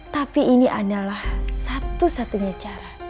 tapi ini adalah satu satunya cara